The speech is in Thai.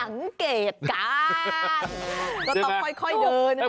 สังเกตการก็ต้องค่อยเดิน